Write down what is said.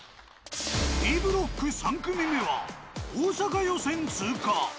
Ｂブロック３組目は大阪予選通過。